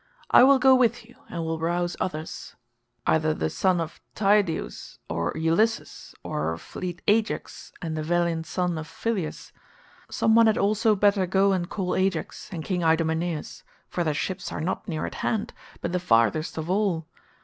I will go with you, and we will rouse others, either the son of Tydeus, or Ulysses, or fleet Ajax and the valiant son of Phyleus. Some one had also better go and call Ajax and King Idomeneus, for their ships are not near at hand but the farthest of all.